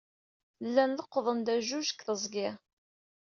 Llan leqqḍen-d ajuj deg teẓgi.